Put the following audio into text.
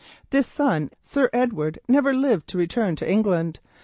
This son, Sir Edward, never lived to return to England.